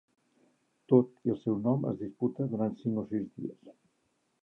Tot i el seu nom es disputa durant cinc o sis dies.